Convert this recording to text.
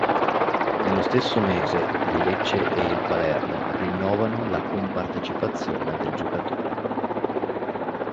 Nello stesso mese il Lecce e il Palermo rinnovano la compartecipazione del giocatore.